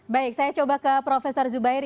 baik saya coba ke profesor zubairi